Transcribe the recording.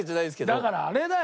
だからあれだよ